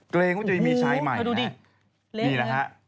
เกรงว่าจะยังมีชายใหม่